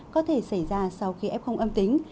có thể xảy ra sau khi ép không âm tính